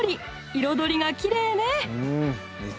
彩りがきれいね